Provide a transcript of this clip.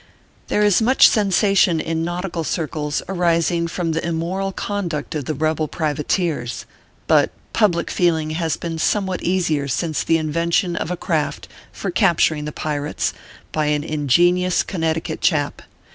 There is much sensation in nautical circles arisin^ o from the immoral conduct of the rebel privateers ; but public feeling has been somewhat easier since the invention of a craft for capturing the pirates, by an ingenious Connecticut chap.